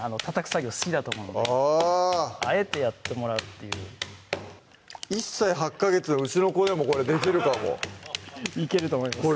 作業好きだと思うのでああえてやってもらうっていう１歳８ヵ月のうちの子でもこれできるかもいけると思います